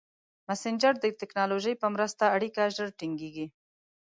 مسېنجر د ټکنالوژۍ په مرسته اړیکه ژر ټینګېږي.